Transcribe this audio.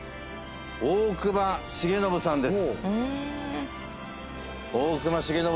大隈重信さんです。